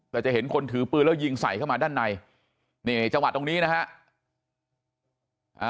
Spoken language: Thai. แต่จะเห็นคนถือปืนแล้วยิงใส่เข้ามาด้านในนี่จังหวะตรงนี้นะฮะ